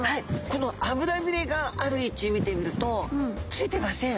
この脂びれがある位置見てみるとついてません。